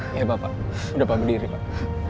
iya bapak sudah pak berdiri pak